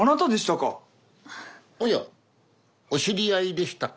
おやお知り合いでしたか。